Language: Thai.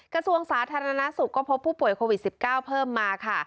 กระทรวงสาธารณสุขก็พบผู้ป่วยโควิด๑๙เพิ่มมาค่ะ